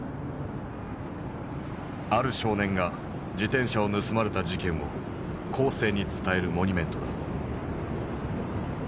ある少年が自転車を盗まれた事件を後世に伝えるモニュメントだ。